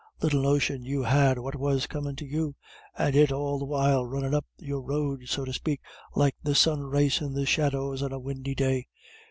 Little notion you had what was comin' to you, and it all the while runnin' up your road, so to spake, like the sun racin' the shadows on a windy day.